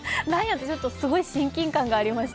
すごい親近感がありました。